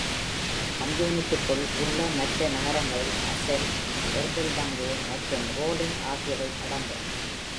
கம்யூனுக்குள் உள்ள மற்ற நகரங்களில் அசெல், எர்பெல்டங்கே மற்றும் ரோலிங் ஆகியவை அடங்கும்.